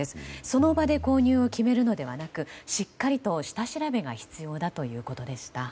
その場で購入を決めるのではなくしっかりと下調べが必要だということでした。